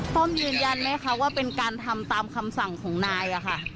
ต้อมยืนยันไหมคะว่าเป็นการทำตามคำสั่งของนายอะค่ะ